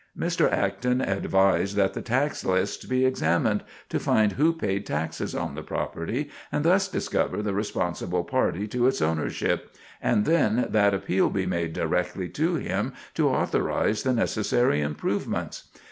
Mr. Acton advised that the tax lists be examined, to find who paid taxes on the property, and thus discover the responsible party to its ownership, and then that appeal be made directly to him to authorize the necessary improvements.